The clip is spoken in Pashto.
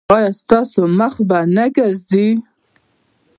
ایا ستاسو مخ به نه ځلیږي؟